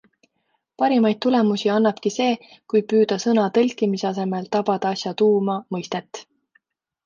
Parimaid tulemusi annabki see, kui püüda sõna tõlkimise asemel tabada asja tuuma, mõistet.